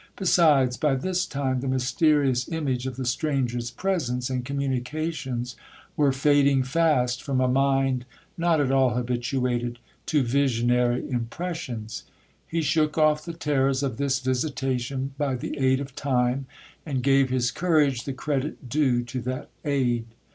Besides, by this time the mysterious image of the stranger's presence and communications were fading fast from a mind not at all habituated to visionary impressions. He shook off the terrors of this visitation by the aid of time, and gave his courage the credit due to that aid.